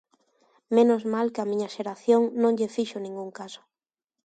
Menos mal que a miña xeración non lle fixo ningún caso.